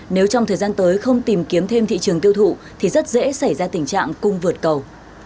nếu trong thời gian tới không tìm kiếm thêm thị trường tiêu thụ thì rất dễ xảy ra tình trạng cung vượt cầu